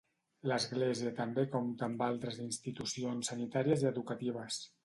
L'església també compta amb altres institucions sanitàries i educatives.